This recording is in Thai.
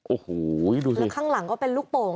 โอ้โหดูสิคือข้างหลังก็เป็นลูกโป่ง